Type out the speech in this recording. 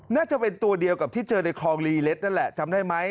น่าจะเป็นตัวเดียวกับที่เจอในคลองลีเล็ดนั่นแหละจำได้ไหม